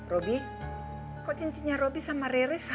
robby kok cincinnya robby sama rere sama